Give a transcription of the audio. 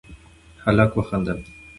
هلک وخندل: